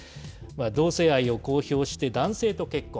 同性愛を公表して男性と結婚。